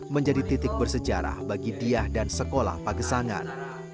menjadi titik bersejarah bagi diah dan sekolah pagesangan